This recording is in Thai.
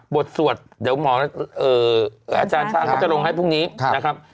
สวดเดี๋ยวหมออาจารย์ช้างเขาจะลงให้พรุ่งนี้นะครับ